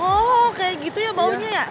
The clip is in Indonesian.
oh kayak gitu ya baunya ya